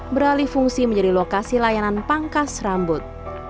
beralih fungsi menjadi lokasi layanan pangkas rambut